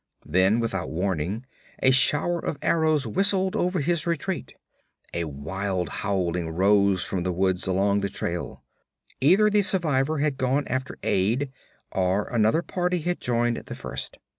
Then without warning a shower of arrows whistled over his retreat. A wild howling rose from the woods along the trail. Either the survivor had gone after aid, or another party had joined the first.